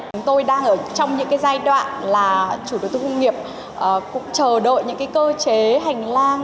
chúng tôi đang ở trong những giai đoạn là chủ đầu tư công nghiệp cũng chờ đợi những cơ chế hành lang